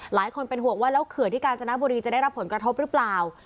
หลายคนเป็นห่วงว่าแล้วเขื่อนที่กาญจนบุรีจะได้รับผลกระทบหรือเปล่า